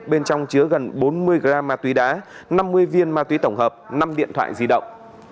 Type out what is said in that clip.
bên trong chứa gần bốn mươi g ma túy đá năm mươi viên ma túy tổng hợp năm điện thoại di động